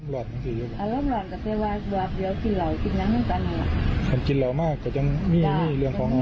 ด้านญาติของผู้ตายค่ะก็ได้ทำพิธีอันเชิญดวงวิญญาณในที่เกิดเหตุนะคะ